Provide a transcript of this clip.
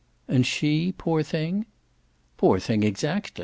"And she poor thing?" "Poor thing exactly!